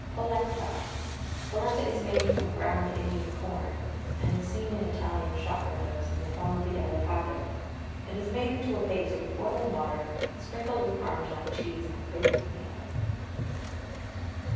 POLENTA. Polenta is made from ground Indian corn, and is seen in Italian shop windows in the form of a yellow powder; it is made into a paste with boiling water, sprinkled with Parmesan cheese, and baked in the oven.